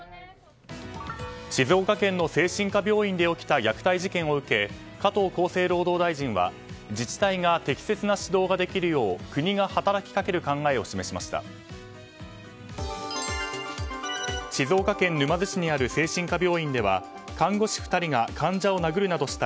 静岡県の精神科病院で起きた虐待事件を受け加藤厚生労働大臣は自治体が適切な指導ができるよう国が働き掛ける考えを示しました。